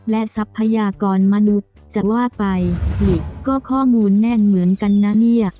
และทรัพยากรมนุษย์จะว่าไปหลีก็ข้อมูลแน่นเหมือนกันนะเนี่ย